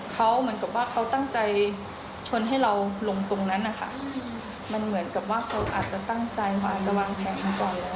เขาเหมือนกับว่าเขาตั้งใจชนให้เราลงตรงนั้นนะคะมันเหมือนกับว่าเขาอาจจะตั้งใจมาจะวางแผนก่อนแล้ว